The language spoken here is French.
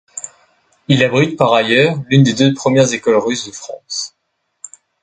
Il abrite, par ailleurs, l'une des deux premières écoles russes de France.